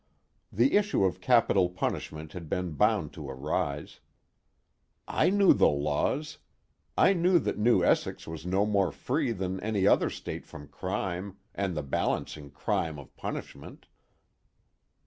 The issue of capital punishment had been bound to arise. _I knew the laws. I knew that New Essex was no more free than any other state from crime and the balancing crime of punishment.